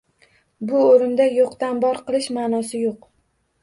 Bu oʻrinda yoʻqdan bor qilish maʼnosi yoʻq